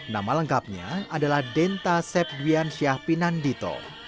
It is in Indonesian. nama lengkapnya adalah denta sepdwian syahpinandito